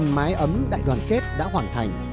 năm mái ấm đại đoàn kết đã hoàn thành